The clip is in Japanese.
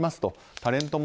タレントも。